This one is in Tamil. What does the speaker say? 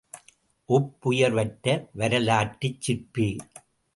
ஒப்புயர்வற்ற வரலாற்றுச் சிற்பி.